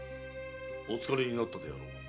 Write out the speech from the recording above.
お疲れになったであろう。